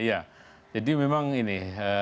iya jadi memang ini